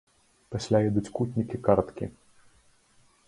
Пасля ідуць кутнікі, карткі.